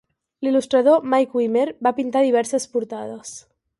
L'il·lustrador Mike Wimmer va pintar diverses portades.